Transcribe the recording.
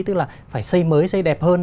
tức là phải xây mới xây đẹp hơn